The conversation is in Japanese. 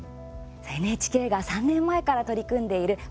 ＮＨＫが３年前から取り組んでいる＃